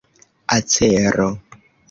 acero